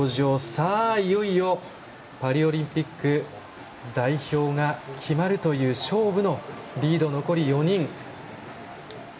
さあ、いよいよパリオリンピック代表が決まるという勝負のリード、残り４人。